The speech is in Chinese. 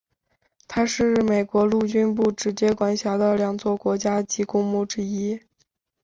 它是美国陆军部直接管辖的两座国家级公墓之一。